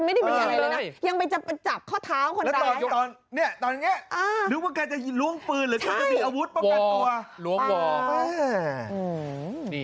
ไม่ได้มีอะไรเลยนะ